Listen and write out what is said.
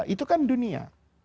itu kan dunia